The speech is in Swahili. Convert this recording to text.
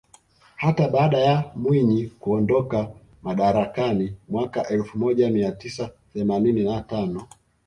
Hata baada ya Mwinyi kuondoka madarakani mwaka elfu moja mia tisa themanini na tano